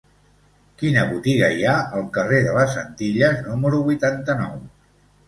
Quina botiga hi ha al carrer de les Antilles número vuitanta-nou?